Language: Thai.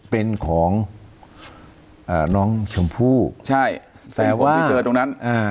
เป็นของอ่าน้องชมพู่ใช่แสดงว่าไม่เจอตรงนั้นอ่า